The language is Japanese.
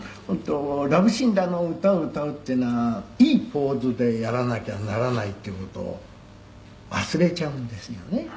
「本当ラブシーンだの歌を歌うっていうのはいいポーズでやらなきゃならないっていう事を忘れちゃうんですよね」